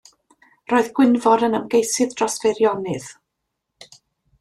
Roedd Gwynfor yn ymgeisydd dros Feirionnydd.